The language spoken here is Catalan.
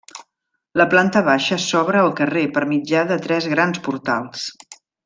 La planta baixa s'obre al carrer per mitjà de tres grans portals.